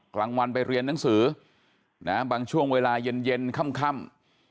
กลางวันไปเรียนหนังสือบางช่วงเวลาเย็นค่ำ